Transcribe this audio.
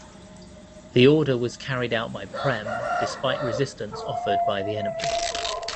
The order was carried out by Prem despite resistance offered by the enemy.